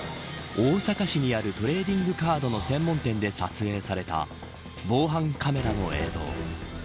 大阪市にあるトレーディングカードの専門店で撮影された防犯カメラの映像。